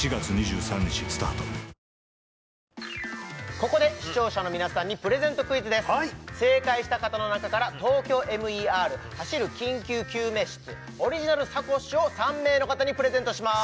ここで視聴者の皆さんにプレゼントクイズです正解した方の中から「ＴＯＫＹＯＭＥＲ走る緊急救命室」オリジナルサコッシュを３名の方にプレゼントします